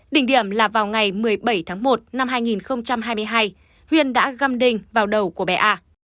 đỉnh điểm là vào ngày một mươi bảy tháng một năm hai nghìn hai mươi hai huyền đã găm đinh vào đầu của bé a